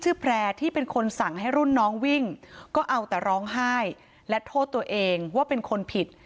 แพร่ที่เป็นคนสั่งให้รุ่นน้องวิ่งก็เอาแต่ร้องไห้และโทษตัวเองว่าเป็นคนผิด